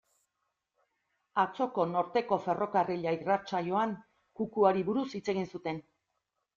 Atzoko Norteko Ferrokarrila irratsaioan, kukuari buruz hitz egin zuten.